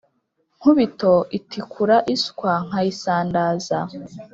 Nkubito itikura iswa nkayisandaza